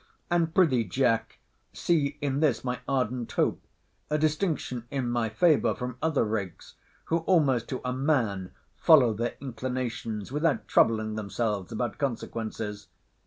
And pr'ythee, Jack, see in this my ardent hope, a distinction in my favour from other rakes; who, almost to a man, follow their inclinations without troubling themselves about consequences.